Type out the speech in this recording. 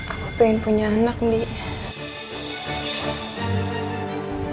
aku pengen punya anak nih